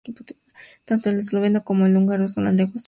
Tanto el esloveno como el húngaro son lenguas oficiales en el municipio.